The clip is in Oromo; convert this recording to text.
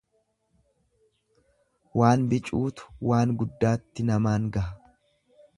Waan bicuutu waan guddaatti namaan gaha.